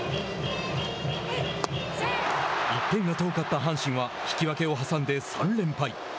１点が遠かった阪神は引き分けを挟んで３連敗。